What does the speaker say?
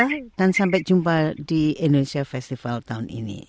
terima kasih bu resika dan sampai jumpa di indonesia festival tahun ini